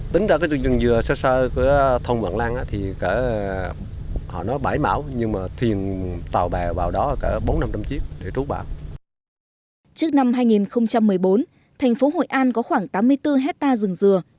trước năm hai nghìn một mươi bốn thành phố hội an có khoảng tám mươi bốn hectare rừng dừa